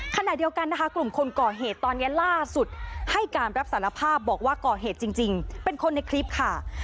ขณะเดียวกันนะคะกลุ่มคนก่อเหตุตอนนี้ล่าสุดให้การรับสารภาพบอกว่าก่อเหตุจริงเป็นคนในคลิปค่ะ